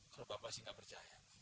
kalau bapak sih nggak percaya